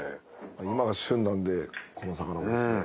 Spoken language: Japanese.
今が旬なんでこの魚もですね。